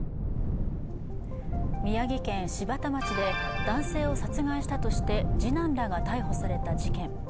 宮城県柴田町で男性を殺害したとして次男らが逮捕された事件。